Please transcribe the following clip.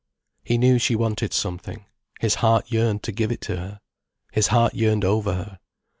He knew she wanted something, his heart yearned to give it her. His heart yearned over her.